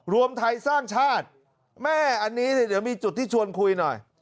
รวมไทยสร้างชาติแม่อันนี้เดี๋ยวมีจุดที่ชวนคุยหน่อย